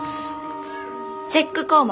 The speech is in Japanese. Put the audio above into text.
チェック項目